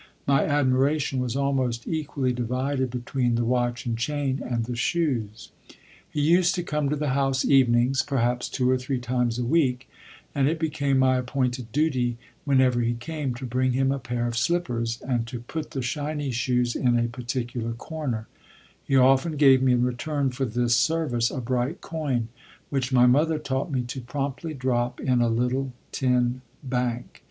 My admiration was almost equally divided between the watch and chain and the shoes. He used to come to the house evenings, perhaps two or three times a week; and it became my appointed duty whenever he came to bring him a pair of slippers and to put the shiny shoes in a particular corner; he often gave me in return for this service a bright coin, which my mother taught me to promptly drop in a little tin bank.